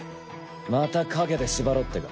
また影で縛ろうってか？